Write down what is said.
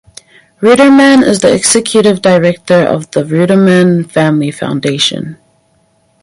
Ruderman is the executive director of the Ruderman Family Foundation.